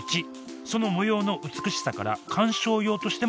その模様の美しさから観賞用としても人気なんです。